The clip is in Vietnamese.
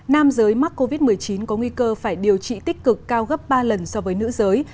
nam giới mắc covid một mươi chín có nguy cơ phải điều trị tích cực cao gấp ba lần so với nữ giới